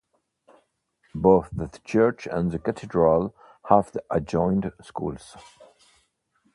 Both the church and the cathedral have adjoining schools.